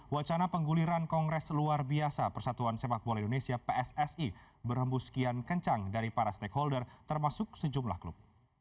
wacana pengguliran kongres luar biasa persatuan sepakbola indonesia pssi berembu sekian kencang dari para stakeholder termasuk sejumlah klub